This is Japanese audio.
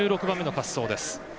１６番目の滑走です。